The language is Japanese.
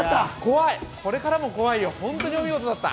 これからも怖いよ、本当にお見事だった。